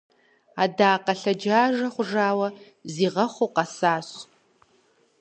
Адакъэ лъэджажэ хъужауэ, зигъэхъуу къэсащ!